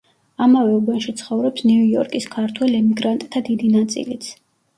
ამავე უბანში ცხოვრობს ნიუ-იორკის ქართველ ემიგრანტთა დიდი ნაწილიც.